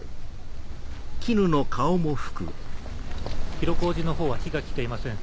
広小路のほうは火が来ていません。